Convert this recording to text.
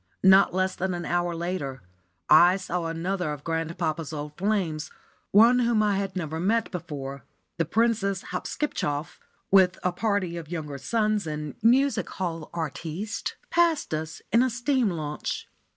Not less than an hour later, I saw another of grandpapa's old flames; one whom I had never met before. The Princess Hopskipschoff, with a party of younger sons and music hall artistes, passed us in a steam launch.